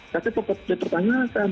saya tetap bertanya tanya